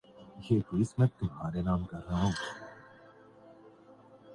Model Town case بھی پیچھے پیچھے ہے۔